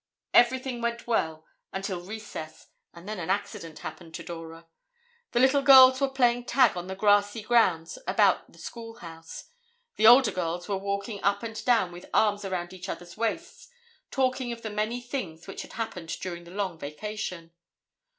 Everything went well until recess and then an accident happened to Dora. The little girls were playing tag on the grassy grounds about the schoolhouse. The older girls were walking up and down with arms around each other's waists, talking of the many things which had happened during the long vacation.